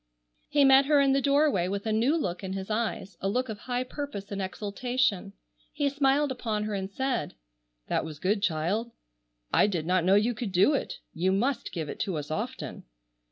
He met her in the doorway with a new look in his eyes, a look of high purpose and exultation. He smiled upon her and said: "That was good, child. I did not know you could do it. You must give it to us often."